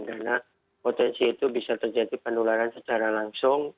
karena potensi itu bisa terjadi penularan secara langsung